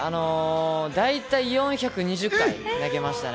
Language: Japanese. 大体４２０回、投げましたね。